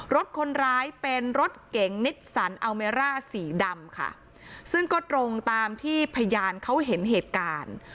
รถคนร้ายเป็นรถเก๋งนิสสันอัลเมร่าสีดำค่ะซึ่งก็ตรงตามที่พยานเขาเห็นเหตุการณ์